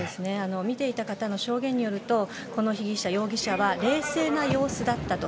見ていた方の証言によるとこの被疑者、容疑者は冷静な様子だったと。